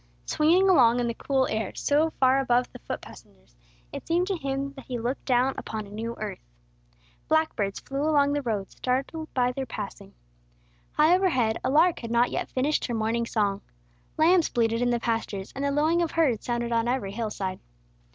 Swinging along in the cool air, so far above the foot passengers, it seemed to him that he looked down upon a new earth. Blackbirds flew along the roads, startled by their passing. High overhead, a lark had not yet finished her morning song. Lambs bleated in the pastures, and the lowing of herds sounded on every hill side.